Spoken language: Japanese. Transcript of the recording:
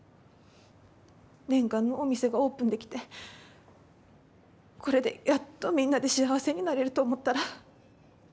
念願のお店がオープンできてこれでやっとみんなで幸せになれると思ったら。